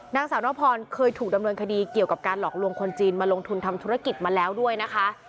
นางสาวนพรเคยถูกดำเนินคดีเกี่ยวกับการหลอกลวงคนจีนมาลงทุนทำธุรกิจมาแล้วด้วยนะคะ